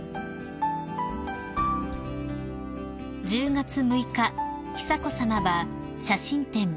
［１０月６日久子さまは写真展